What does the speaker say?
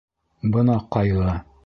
Бына ҡайғы!